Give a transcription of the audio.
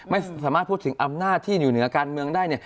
ไม่สามารถพูดถึงอำนาจที่อยู่เหนือการเมืองได้เนี่ย